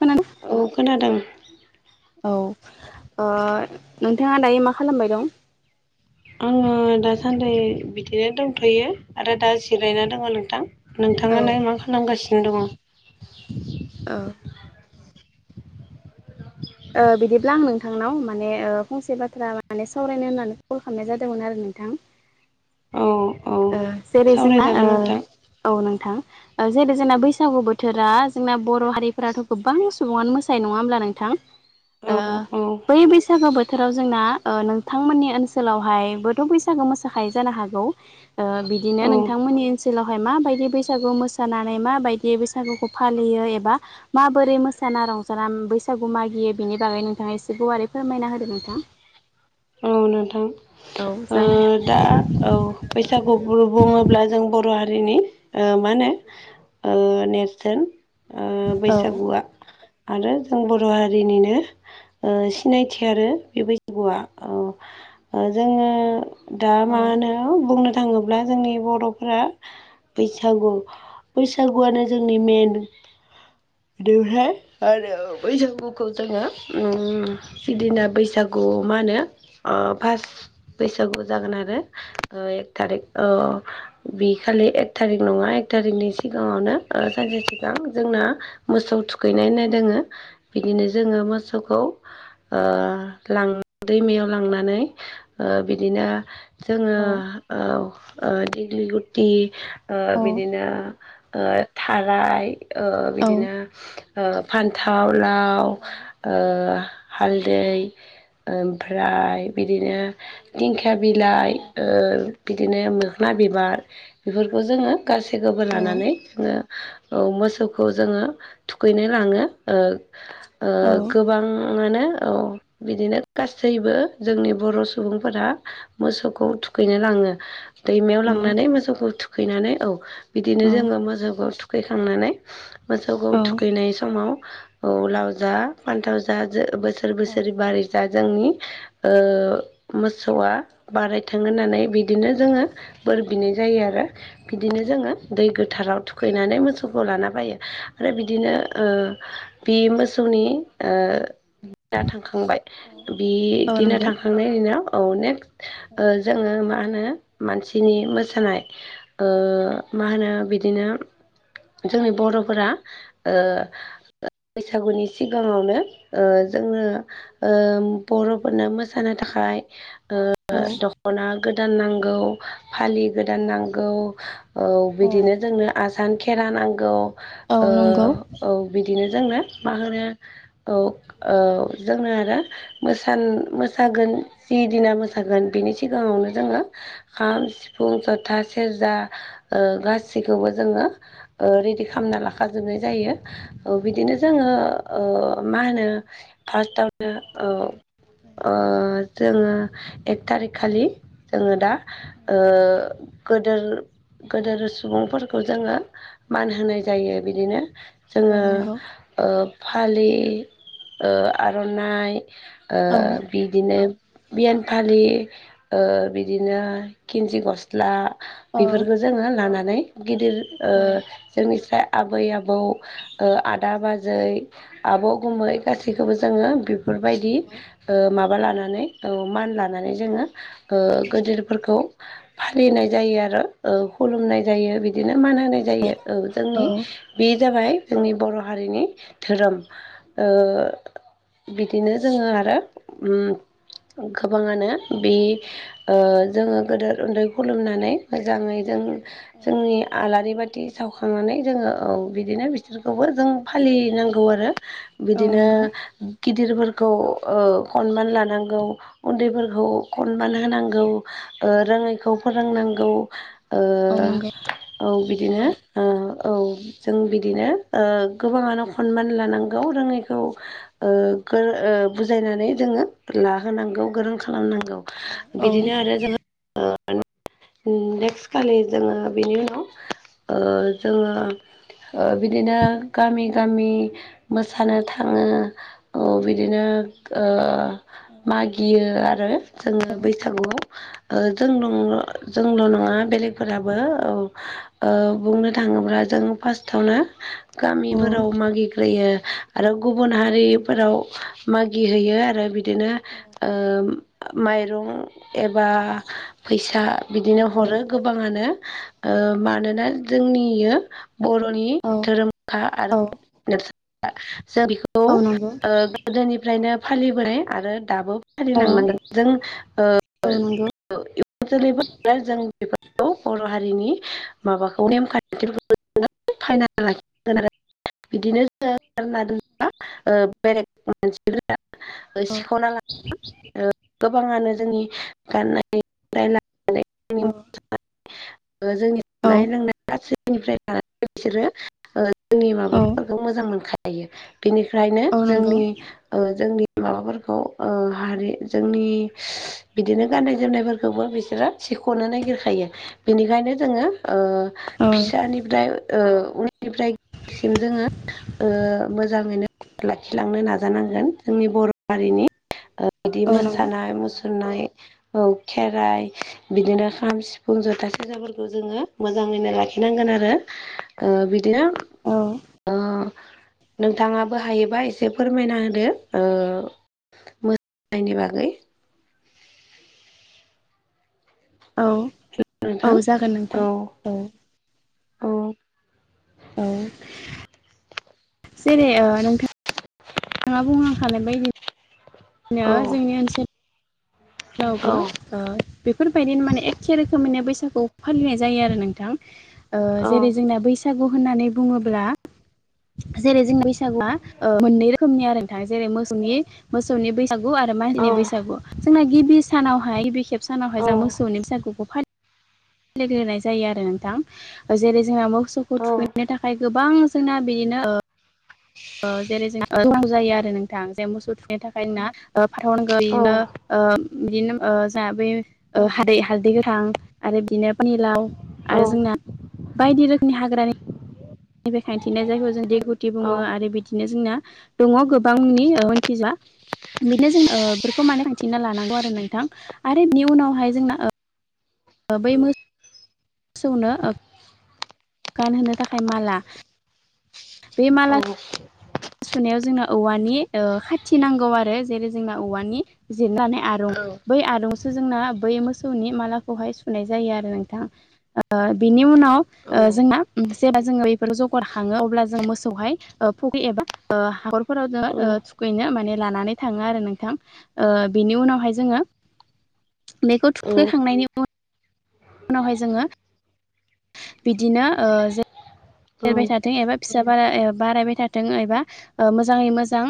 खोनादों औ खोनादों औ नोंथाङा दायो मा खालामबाय दं? आङो दासान्दि बिदिनो दंथ'यो आरो दा जिरायना दङ नोंथां। औ नोंथाङालाय मा खालामगासिनो दङ? औ। बिदिब्ला आं नोंथांनाव माने फंसे बाथ्रा माने सावरायनो होननानै कल खालामनाय जादोंमोन आरो नों थां औ औ जेरै जोंना सावरायजागोन नोंथां औ नोंथां। जेरै जोंना बैसागु बोथोरा जोंना बर' हारिफोराथ' गोबां सुबुङानो मोसायो नङा होमब्ला नोंथां? औ औ बै बैसागो बो बोथोराव जोंना नोंथांमोननि ओनसोलावहायबोथ' बैसागो मोसाखायो जानो हागौ? बिदिनो औ नोंथांमोननि ओनसोलाव हाय माबायदि बैसागु मोसानानै माबायदि बैसागुखौ फालियो एबा मोबोरै मोसाना? रंजारा बैसागु मागियो बेनि बागै नोंथाङा एसे गुवारै फोरमायना होदो नोंथां। औ नोंथां औ जागोन दा औ बै बैसागु बुङोब्ला जों बर' हारिनि मा होनो। ओ नेरसोन औ बैसागुआ आरो जों बर' हारिनिनो सिनायथि थि आरो बे बैसागुआ जोङो दा मा औ होनो बुंनो थाङोब्ला जोंनि बर'फ्रा बैसागु बैसागुआनो जोंनि मेन बेहाय आरो बैसागुखौ जोङो उ जिदिना बैसागु मा होनो फार्स्ट बैसागु जागोन आरो एक थारिख ओ ओ बि खालि एक थारिक नङा एक थारिकनि सिगाङावनो ओ सानसे सिगां जोंना मोसौ थुखैनाय होननाय दोङो बिदिनो जोङो मोसौखौ ओ लां दैमायाव लांनानै बिदिनो जोङो औ दिगलि गुटि ओ बिदिनो ओ थाराय ओ औ बिदिनो फान्थाव लाव ओ हालदै ओमफ्राय बिदिनो दिंखि था बिलाइ बिदिनो मोखोनना बिबार बेफोरखौ जोङो गासैखौबो औ लानानै जोङो औ मोसौखौ जोङो थुखैनो लाङो। ओ ओ औ गोबां बिदिनो गासैबो जोंनि बर' सुबुंफोरा मोसौखौ थुखैनाय ला दैमायाव लांनानै मोसौखौ थुखैनानै औ बिदिनो जोङो मोसौखौ थुख खैखांनानै मोसौखौ औ थुखैनाय समाव लाव जा फान्थाव जा ज बोसोर औ बोसोरै बारै ज जोंनि ओ मोसौआ बाराय थां होननानै बिदिनो जोङो ब बिनाय जायो आरो। बिदिनो जोङो दै गोथाराव थुखैनानै मोसौखौ लाना फायो आरो बिदिनो बे ओ मोसौनि दिना थांखांबाय बि औ दिना नंगौ थांखांनायनि दिनाव औ औ नेक्स्ट ओ जोङो मा होनो मानसिनि मोसानाय ओ मा होनो बिदिनो जोंनि बर'फोरा ओ बैसागुनि सिगाङाव जोङो बर'फोरनो मोसानो थाखाय ओ दख'ना गोदान नांगौ फालि औ गोदान नांगौ। औ औ बिदिनो जोंनो आसान खेरा नांगौ। औ ओ नंगौ। औ बिदिनो जोंनो मा होनो औ औ जोंनो आरो मोसान-मोसागोन जि दिना मोसागोन बिनि सिगाङावनो औ जोङो खाम, सिफुं, जथा, सेरजा गासिखौबो जोङो ओ रेडि खालाम ना लाखाजोबनाय जायो। बिदिनो जोङो ओ मा होनो फार्स्टआवनो औ ओ जोङो एक थारिक खालि जोङो दा ओ गोदोर गोदोर सुबुंफोरखौ जोङो मान होनाय जायो बिदिनो जोङो नंगौ फालि ओ आर'नाइ ओ औ बिदिनो बियान फालि ओ बिदिनो किन्जि गस्ला औ बेफोरखौ जोङो लानानै गिदिर ओ औ जोंनि स आबै आबौ ओ आदा बाजै आबौ गुमै गासैखौबो जोङो बेफोरबायदि माबा लानानै औ मान लानानै जोङो ओ गेदेरफोरखौ फालिनाय जायो आरो खुलुमनाय जायो। बिदिनो मान होनाय जायो। औ जोंनि बे जाबाय जोंनि बर' हारिनि धोरोम। ओ बिदिनो जोङो आरो उम गोबाङानो बे ओ जोङो गदोर उन्दै खुलुमनानै मोजाङै जों जोंनि आलारि ब खाथि सावखांनानै जोङो औ बिदिनो बिसोरखौबो जों फालिनांगौ आरो। औ बिदिनो नंगौ गिदिरफोरखौ ओ खनमान लानांगौ उन्दैफोरखौ खनमान होनांगौ। ओ रोङैखौ फोरोंनांगौ ओ औ नंगौ औ बिदिनो ओ औ जों बिदिनो ओ गोबाङानो सन्मान लानांगौ रोङैखौ ओ गोर ओ बुजायनानै जोङो लाहोनांगौ औ गोरों खालामनांगौ बिदिनो आरो जोङो नेक्स्ट खालि जोङो बिनि उनाव ओ जोङो ओ बिदिनो गामि मि मोसानो थाङो औ बिदिनो ओ मागियो आरो जोङो बैसागुआव ओ जोंल' [unintelligible] जोंल' नङा बेलेगफोराबो औ ओ बुंनो थाङोब्ला जों फास्टआवनो फोराव मागिग्रोयो आरो गुबुन हारिफोराव मागि हैैयो आरो बि बिदिनो ओ माइरं एबा फैसा बिदिनो औ ह रो गोबाङानो ओ मानोना जोंनि इयो बर'नि धोरोमखा आरो [unintelligible] जों बेखौ औ नंगौ ओ गोदोनिफ्रायनो फालिबोनाय आरो दाबो औ नंगौ औ फालांनांगोन जों ओ [unintelligible] जोलैफोर जों [unintelligible] खौ बर' हारिनि माबाखौ [unintelligible] लाखिनांगोन आरो बिदिनो [unintelligible] ओ सिख'ना [unintelligible] गोबाङानो जोंनि गाननाय [unintelligible] ओ जोंनि [unintelligible] जोंनि औ औ माबाफोरखौ मोजां मोनखायो नंगौ औ बिनिख्रायनो औ नंगौ जोंनि ओ जोंनि माबाफोरखौ ओ हारि जोंनि बिदिनो गाननाय जोमनायफोरखौबो बिसोरो थिख'नो नागिरखायो बेनिखायनो जोङो ओ फिसानिफ्राय ओ उननिफ्रायसिम जोङो ओ मोजाङैनो लाखिलांनो नाजानांगोन जोंनि बर' हारिनि ओ बिदि मोसानाय मुसुरनाय औ खेराइ बिदिनो खाम सिफुं ज'था सेरजाफोरखौ जोङो मोजाङैनो लाखिनांगोन। आरो ओ बिदिनो औ ओ नोंथाङाबो हायोबा एसे फोरमायना होदो ओ मो [inaudible] बागै औ औ नोंथां जागोन औ नोंथां औ। औ। औ। जेरै ओ नोंथां नोंथाङा बुंनांखानाय बायदि [unintelligible] जोंनि ओनसोल औ लावबो ओ बेफ फोरबायदिनो माने एखे रोखोमैनो बैसागु फालिनाय जायो आरो नोंथां ओ औ जेरै जोंना बैसाग गु होननानै बुङोब्ला जेरै जोंनि बैसागुआ ओ मोननै रोखोमनि आरो नोंथां जेरै मोसौनि मोसौनि बैसागु आरो औ माहिनि बैसागु जोंना गिबि सानावहाय गिबि खेब सानावहाय औ जों मोसौनि बैसागुखौ फालि फालिग्रोनाय जायो आरो नोंथां ओ जेरै जोङा मोसौखौ औ थुखैनो थाखाय गोबां जोंना बे दिनो ओ ओ जेरै जों [unintelligible] जायो आरो नोंथां जे मोसौ थुखैनो थाखाय [unintelligible] औ बेनो ओ बिदिनो ओ जोंहा बै हादै हालदै गोथां आरो दिनो पानिलाव आरो जोंना बायदि रोखोमनि हाग्रानि [inaudible] खायथिनाय जायखौ जों [inaudible] बुङो आरो बिदिनो जोंना दङ गोबांनि ओ मोन्थिजोबा। बेनो जों ओ फोरखौ माने [unintelligible] लानांगौ आरो नोंथां आरो बिनि उनावहाय जोंना ओ बै मोसौनो ओ गानहोनो थाखाय माला बे माला औ। सुनायाव जोंना औवानि खाथि नांगौ आरो जेरै जोंना औवानि जिरनानै औ आरुम बै आदुंसो जोंना बै मोसौनि मालाखौहाय सुनाय जायो आरो नोंथां ओ बिनि उनाव औ ओ जोंना जेब्ला जोङो बेफोर जगार खाङो अब्ला जों मोसौहाय फुख्रि एबा हाखरफोराव जोङो थुखैनो माने लानानै थाङो आरो नोंथां ओ बिनि उनावहाय जोङो ओ [inaudible] बेखौ थुखैखांनायनि [unintelligible] उनावहाय जोङो बिदिनो जेरबाय थाथों एबा फिसा बारा बारायबाय थाथों एबा मोजाङै मोजां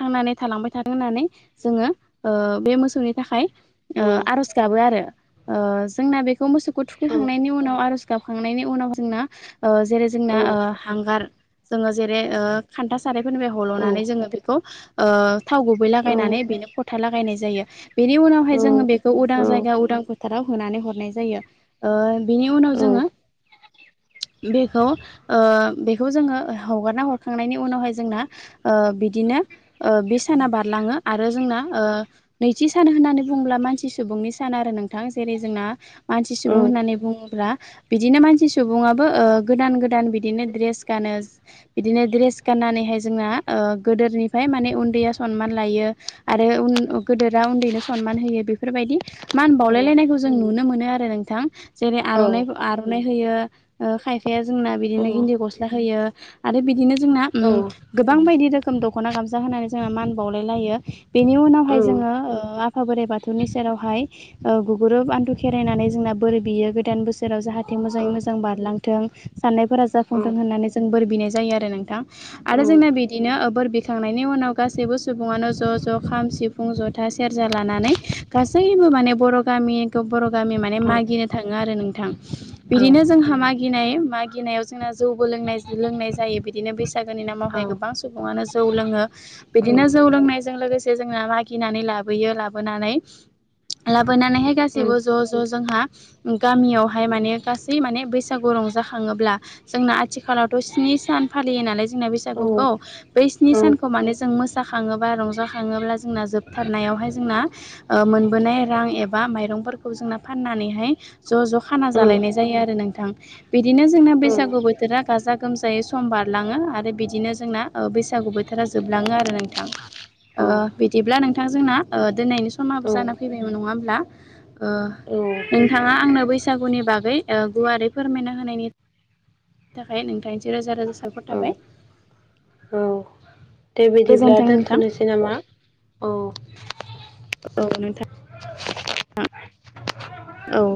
थांनानै थालांबाय थाथों होननानै जोङो ओ बे मोसौनि थाखाय ओ आर'ज गाबो आरो ओ जोंना बेखौ मोसौखौ थुखैखांनायनि उनाव आरज गाबखांनायनि उनाव जोंना ओ जेरै जोंना ओ हांगार जोङो जेरै ओ खान्था सारफोरनिफ्राय हल'नानै जोङो बेखौ ओ थाव गुबै लागायनानै बेनो फथा लागायनाय जायो बेनि उनावहाय जोङो बेखौ उदां औ जायगा उदां फोथाराव होनानै हरनाय जायो ओ बिनि उनाव जोङो [unintelligible] बे खौ ओ बेखौ जोङो हगारना हरखांनायनि उनावहाय जोंना ओ बिदिनो ओ बे साना बारलाङो आरो जोंना ओ नैथि सान होननानै बुङोब्ला मानसि सुबुंनि सान आरो नोंथां जेरै जोंना मानसि औ सुबुं होननानै बुङोब्ला बिदिनो मानसि सुबुं आबो ओ गोदान गोदान बिदिनो ड्रेस गानो बिदिनो ड्रेस गाननानैहाय जोंना ओ गोदोरनिफ्राय माने उन्दैया सनमान लायो आरो गदोरा उन्दैनो सनमान होयो बेफोरबायदि मान बावलायलायनायखौ जों नुनो मोनो आरो नोंथां जेरै आरना आर'नाइ होयो ओ खायफा फाया जोंना बिदिनो गिन्दि गस्ला होयो आरो बिदिनो जोंना औम गोबां बायदि रो रोखोम दख'ना गामसा होनानै जोंहा मान बावलाय लायो बेनि उनावहाय जोङो ओ आफा बोराइ बाथौनि सेरावहाय ओ गुग्रोब आनथु खेरायनानै जोंना बोर बियो गोदान बोसोराव जाहाथे मोजाङै मोजां बारलां थों साननाय जाुंफुंथों होननानै जों बोर बिनाय जायो आरो नोंथां आरो जोंना बिदिनो ओ बोर बि खांनायनि उनाव गासैबो सुबुङानो ज' ज' खाम सिफुं ज'था सेरजा लानानै गासै बो माने बर' गामिखौ बर' गामि माने मागिनो थाङो आरो नोंथां बिदिनो जोंहा मागिनाय मागिनायाव जोंना जौ बो लों लोंनाय जायो बिदिनो बैसा गोनि नामावहाय गोां सुब सुबुं आनो जौ लोङो बिदिनो जौ लोंनायजों लोगोसे जोंना मागिनानै लाबोयो लाबोनानै लाबोनानैहाय गासैबो ज' ज' जोंहा गामियावहाय माने गासै माने बै बैसागु रंजााखङोब्ला जोंना आथिखालावथ' स्नि सान फालियो नालाय जोंना बैसागुखौ बै स्नि सान खौ माने जों मोसाखाङोब्ला रंजाखाङोब्ला जों जोबथारनायावहाय जोंना ओ बोनाय रां एबा माइरंफोरखौ जोंना फाननानैहाय ज' ज' खाना जालायनाय जायो आरो नोंथां बिदिनो जोंना बैसागु बोथोरा गाजा गोमजायै सम बारलाङो आरो बिदिनो जोंना बैसागु बोथारा जोबलाङो आरो नोंथां ओ बिदिब्ला नोंथां जोंना ओ दोननायनि समाबो जाना फैबाय नङा होमब्ला ओ नोंथाङा आंनो बैसागुनि बागै गुवारै फोरमायना होनायनि थाखाय नोंथां ज रोजा रोजा साबायखर थाबाय औ दे बिदिब्ला गोजोन्थों नोंथां दोन्थ'नोसै नामा? औ औ नोंथां औ